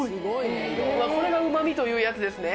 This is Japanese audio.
うわこれがうま味というやつですね！